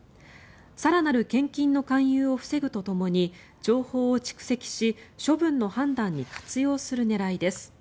更なる献金の勧誘を防ぐとともに情報を蓄積し処分の判断に活用する狙いです。